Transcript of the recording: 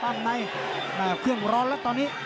ในเครื่องร้อนแล้วตอนนี้